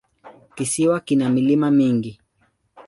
Kisiwa kina milima mingi.